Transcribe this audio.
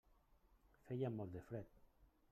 Feia molt de fred.